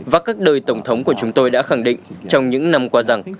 và các đời tổng thống của chúng tôi đã khẳng định trong những năm qua rằng